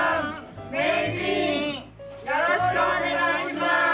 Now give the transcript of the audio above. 名人よろしくお願いします！